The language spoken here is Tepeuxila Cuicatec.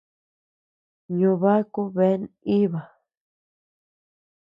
Ño baku bea nʼíba.